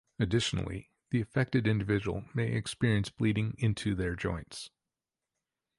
Additionally, the affected individual may experience bleeding into their joints.